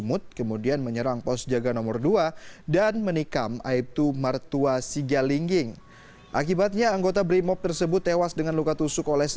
mabes polri irjen pol setiawasisto mengatakan pelaku diduga dua orang dan mereka melompat pagar mabes polri